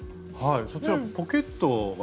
そちらポケットが？